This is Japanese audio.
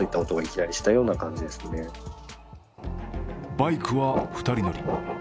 バイクは２人乗り。